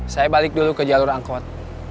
saya balik dulu ke jalur angkot